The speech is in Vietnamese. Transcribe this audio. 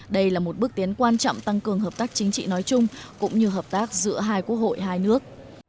đây là một bước tiến quan trọng tăng cường hợp tác chính trị nói chung cũng như hợp tác giữa hai quốc hội hai nước